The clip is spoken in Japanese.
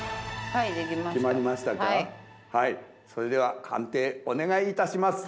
はいそれでは判定お願いいたします。